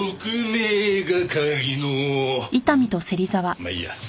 まあいいや。